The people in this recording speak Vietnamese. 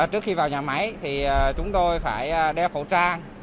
trước khi vào nhà máy thì chúng tôi phải đeo khẩu trang